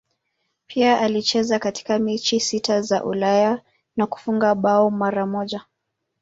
Pia alicheza katika mechi sita za Ulaya na kufunga bao mara moja.